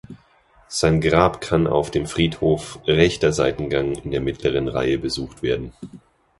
Sein Grab kann auf dem Friedhof, rechter Seiteneingang, in der mittleren Reihe besucht werden.